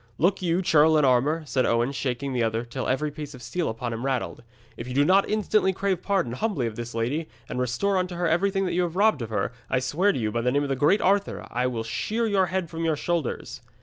Look you, churl in armour,' said Owen, shaking the other till every piece of steel upon him rattled, 'if you do not instantly crave pardon humbly of this lady, and restore unto her everything you have robbed of her, I swear to you, by the name of the great Arthur, I will shear your head from your shoulders.'